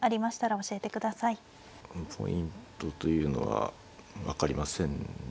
ポイントというのは分かりませんね。